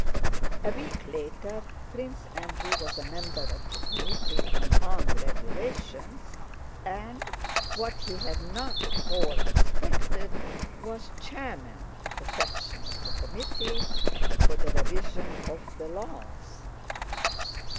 A week later Prince Andrew was a member of the Committee on Army Regulations and—what he had not at all expected—was chairman of a section of the committee for the revision of the laws.